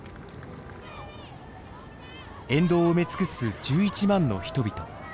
沿道を埋め尽くす１１万の人々。